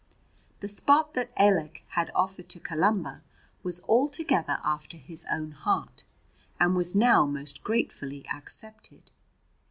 The spot that Ailech had offered to Columba was altogether after his own heart and was now most gratefully accepted.